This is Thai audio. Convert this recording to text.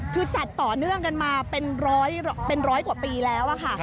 คือจัดต่อเนื่องกันมาเป็นร้อยกว่าปีแล้วค่ะ